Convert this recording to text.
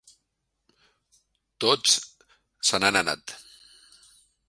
Tots se n'han anat.